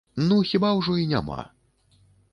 Ну, хіба ўжо і няма?